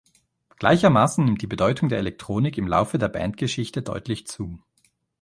Gleichermaßen nimmt die Bedeutung der Elektronik im Laufe der Bandgeschichte deutlich zu.